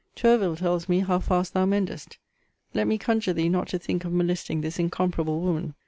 Tourville tells me how fast thou mendest: let me conjure thee not to think of molesting this incomparable woman.